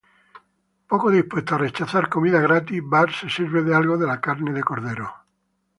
Indispuesto a rechazar comida gratis, Bart se sirve algo de la carne de cordero.